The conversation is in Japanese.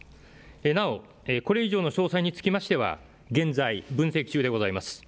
なおこれ以上の詳細につきましては現在分析中でございます。